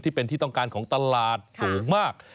ที่เป็นที่ต้องการของตลาดสูงมาก